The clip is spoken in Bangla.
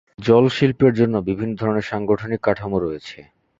জল শিল্পের জন্য বিভিন্ন ধরনের সাংগঠনিক কাঠামো রয়েছে।